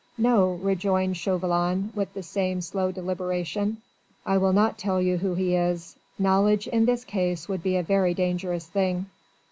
"No," rejoined Chauvelin with the same slow deliberation, "I will not tell you who he is. Knowledge in this case would be a very dangerous thing."